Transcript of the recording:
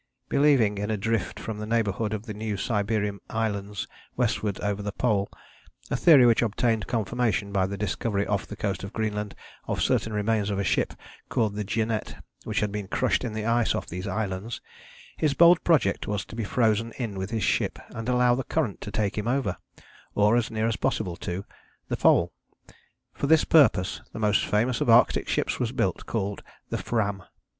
Believing in a drift from the neighbourhood of the New Siberian Islands westwards over the Pole, a theory which obtained confirmation by the discovery off the coast of Greenland of certain remains of a ship called the Jeannette which had been crushed in the ice off these islands, his bold project was to be frozen in with his ship and allow the current to take him over, or as near as possible to, the Pole. For this purpose the most famous of Arctic ships was built, called the Fram.